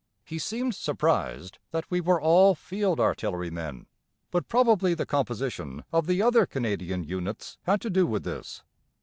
He seemed surprised that we were all Field Artillery men, but probably the composition of the other Canadian units had to do with this.